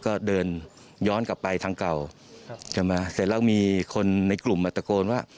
ก็เดินย้อนกลับไปทางเก่าใช่ไหมเสร็จแล้วมีคนในกลุ่มมาตะโกนว่า